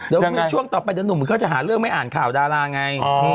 เดี๋ยวก็ช่วงต่อไปนะหนุ่มเจ้า๋หมดก็จะหาเรื่องไออ่านข่าวดาราไง